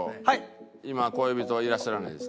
今恋人はいらっしゃらないんですか？